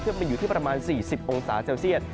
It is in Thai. เพื่อมีอยู่ที่ประมาณ๔๐องศาเซลเซียต